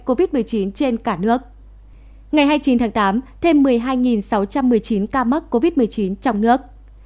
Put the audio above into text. covid một mươi chín trên cả nước ngày hai mươi chín tháng tám thêm một mươi hai sáu trăm một mươi chín ca mắc covid một mươi chín trong nước